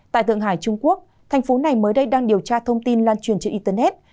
tại thượng hải trung quốc thành phố này mới đây đang điều tra thông tin lan truyền trên internet